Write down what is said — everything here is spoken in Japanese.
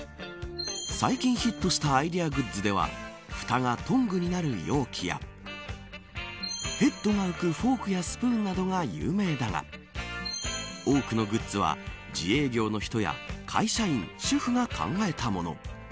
最近ヒットしたアイデアグッズではふたがトングになる容器やヘッドが浮くフォークやスプーンなどが有名だが多くのグッズは自営業の人や会社員主婦が考えたもの。